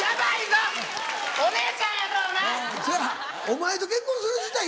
お前と結婚する自体